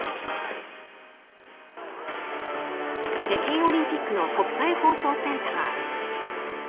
北京オリンピックの国際放送センター。